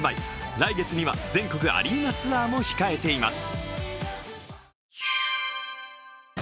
来月には全国アリーナツアーも控えています。